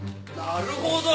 なるほど。